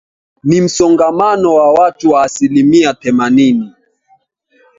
na msongamano wa watu wa asilimia themanini